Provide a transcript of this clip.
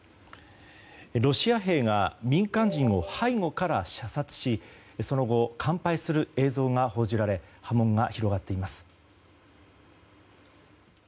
ロシア兵が民間人を背後から射殺しその後、乾杯する映像が報じられ波紋が広がっています。